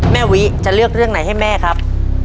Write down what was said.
วิจะเลือกเรื่องไหนให้แม่ครับ